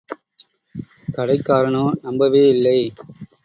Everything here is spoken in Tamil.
கடைக்காரனோ நம்பவே இல்லை.